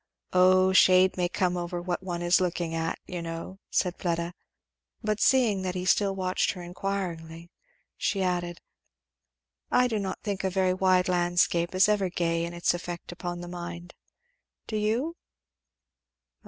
"O a shade may come over what one is looking at you know," said Fleda. But seeing that he still watched her inquiringly she added, "I do not think a very wide landscape is ever gay in its effect upon the mind do you?"